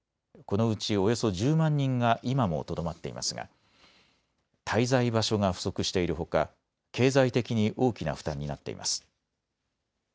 このうちおよそ１０万人が今もとどまっていますが滞在場所が不足しているほか経済的に大きな負担になっています。